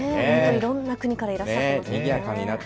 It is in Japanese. いろんな国からいらっしゃっていますね。